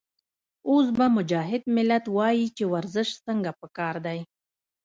اوس به مجاهد ملت وائي چې ورزش څنګه پکار دے